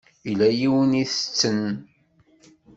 Yella yiwen i itetten.